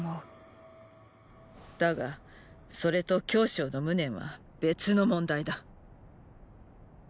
だがそれと羌象の無念は別の問題だ。